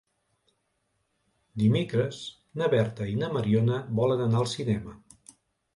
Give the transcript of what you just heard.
Dimecres na Berta i na Mariona volen anar al cinema.